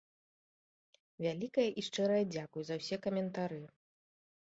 Вялікае і шчырае дзякуй за ўсе каментары.